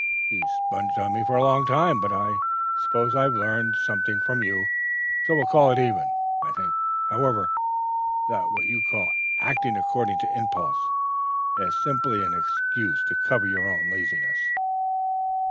You've sponged on me for a long time; but I suppose I've learned something from you, so we'll call it even. I think, however, that what you call acting according to impulse is simply an excuse to cover your own laziness.'